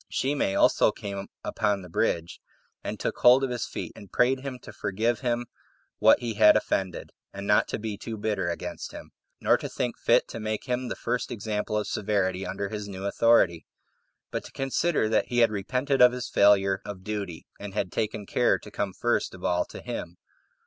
Shimei also came upon the bridge, and took hold of his feet, and prayed him to forgive him what he had offended, and not to be too bitter against him, nor to think fit to make him the first example of severity under his new authority; but to consider that he had repented of his failure of duty, and had taken care to come first of all to him.